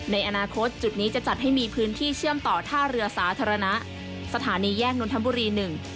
ในอนาคตจุดนี้จะจัดให้มีพื้นที่เชื่อมต่อท่าเรือสาธารณะสถานีแยกนนทบุรีหนึ่ง